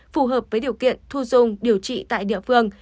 phù hợp với điều kiện thu dung điều trị tại địa phương